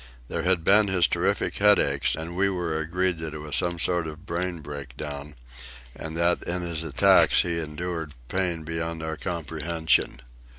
There had been his terrific headaches, and we were agreed that it was some sort of brain break down, and that in his attacks he endured pain beyond our comprehension.